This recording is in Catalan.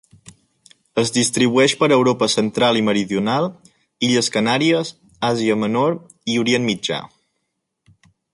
Es distribueix per Europa central i meridional, Illes Canàries, Àsia Menor i Orient Mitjà.